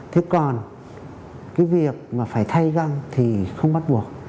thế còn cái việc mà phải thay ra thì không bắt buộc